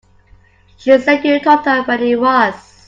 She said you told her where it was.